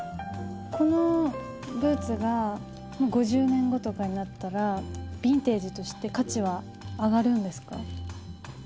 このブーツが５０年後とかになったらヴィンテージとして価値は上がるんですか？